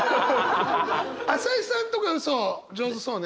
朝井さんとか嘘上手そうね。